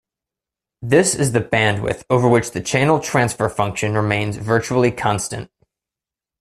This is the bandwidth over which the channel transfer function remains virtually constant.